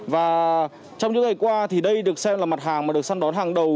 và trong những ngày qua thì đây được xem là mặt hàng mà được săn đón hàng đầu